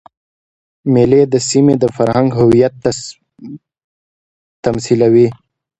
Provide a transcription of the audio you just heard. مېلې د سیمي د فرهنګ هویت تمثیلوي.